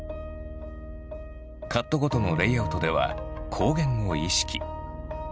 カットごとのレイアウトでは光源を意識。